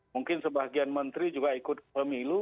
mungkin sebagian menteri juga ikut pemilu